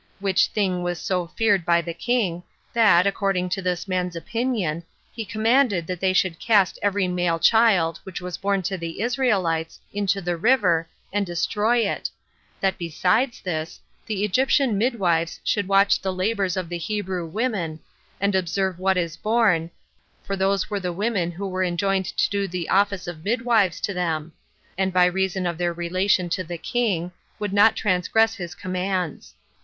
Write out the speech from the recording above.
Which thing was so feared by the king, that, according to this man's opinion, he commanded that they should cast every male child, which was born to the Israelites, into the river, and destroy it; that besides this, the Egyptian midwives 19 should watch the labors of the Hebrew women, and observe what is born, for those were the women who were enjoined to do the office of midwives to them; and by reason of their relation to the king, would not transgress his commands.